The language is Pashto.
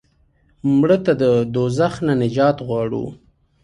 مړه ته د دوزخ نه نجات غواړو